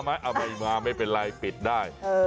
วันนี้มาไม่เป็นไรปิดได้